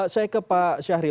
saya ke pak syahril